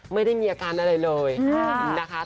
ไม่ได้มีอาการอะไรเลยนะคะ